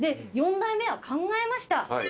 ４代目は考えました。